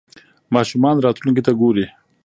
ماشومان راتلونکې ته ګوري.